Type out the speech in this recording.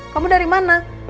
kamu dari mana